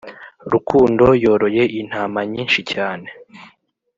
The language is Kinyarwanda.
Rukundo yoroye intama nyinshi cyane